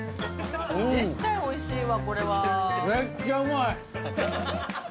絶対おいしいわこれは。